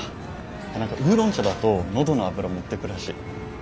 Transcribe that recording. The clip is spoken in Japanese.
何かウーロン茶だと喉のあぶら持ってくらしい。